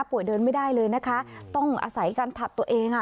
เดินไม่ได้เลยนะคะต้องอาศัยการถัดตัวเองอ่ะ